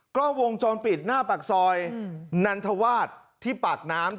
กล้องวงจรปิดหน้าปากซอยนันทวาสที่ปากน้ำ